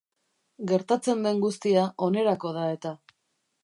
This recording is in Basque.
Gertatzen den guztia onerako da eta.